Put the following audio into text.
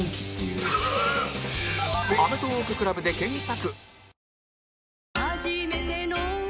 「アメトーーク ＣＬＵＢ」で検索